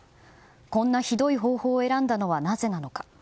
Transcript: こんなひどい方法を選んだのはなぜなのか。